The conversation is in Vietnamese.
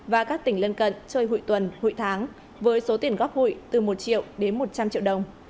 và các tỉnh lân cận chơi hụi tuần hụi tháng với số tiền góp hụi từ một triệu đến một trăm linh triệu đồng